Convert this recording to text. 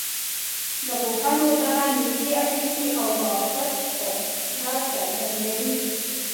د پوهنو دغه نږدې اړیکي او بافت دا څرګندوي.